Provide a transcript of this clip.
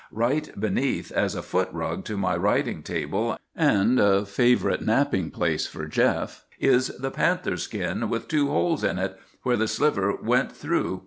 Right beneath, as a foot rug to my writing table, and a favorite napping place for Jeff, is the panther skin with two holes in it, where the sliver went through.